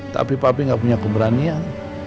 tapi pabrik nggak punya keberanian